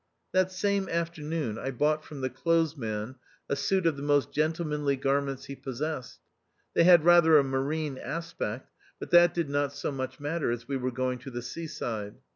That same afternoon I bought from the clothesman a suit of the most gentlemanly garments he possessed ; they had rather a marine aspect, but that did not so much matter, as we were going to the sea side.